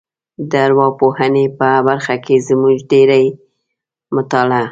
د ارواپوهنې په برخه کې زموږ ډېری مطالعه